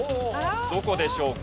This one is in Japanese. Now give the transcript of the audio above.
どこでしょうか？